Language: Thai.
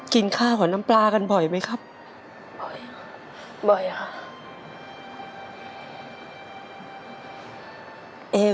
กินข้าวของน้ำปลากันบ่อยไหมครับบ่อยครับ